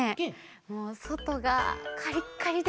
もうそとがカリッカリで。